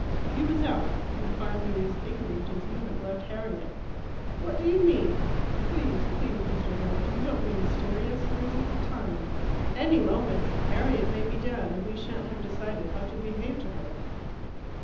"He was out. You find me as ignorant as you have left Harriet." "What do you mean? Please, please Mr. Herriton, don't be mysterious: there isn't the time. Any moment Harriet may be down, and we shan't have decided how to behave to her.